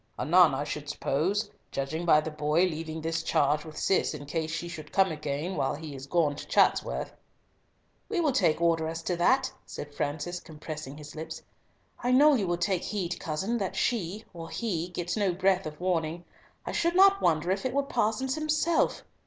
"Anon, I should suppose, judging by the boy leaving this charge with Cis in case she should come while he is gone to Chatsworth." "We will take order as to that," said Francis, compressing his lips; "I know you will take heed, cousin, that she, or he, gets no breath of warning. I should not wonder if it were Parsons himself!"